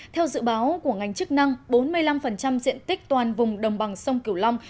theo dự báo của ngành chức năng bốn mươi năm diện tích toàn vùng đồng bằng sông cửu long